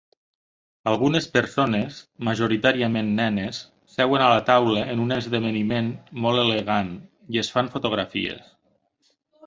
Algunes persones, majoritàriament nenes, seuen a taula en un esdeveniment molt elegant i es fan fotografies.